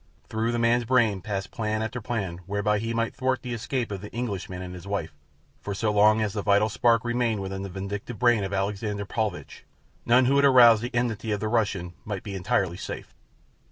Through the man's brain passed plan after plan whereby he might thwart the escape of the Englishman and his wife, for so long as the vital spark remained within the vindictive brain of Alexander Paulvitch none who had aroused the enmity of the Russian might be entirely safe.